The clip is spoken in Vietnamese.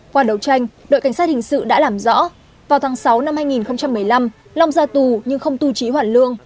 qua đấu tranh đội cảnh sát hình sự đã làm rõ vào tháng sáu năm hai nghìn một mươi năm long ra tù nhưng không tu trí hoàn lương